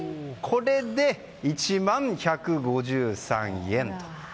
これで１万１５３円と。